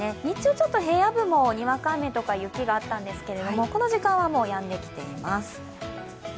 日中、平野部もにわか雨とか雪があったんですけどこの時間はもうやんできています。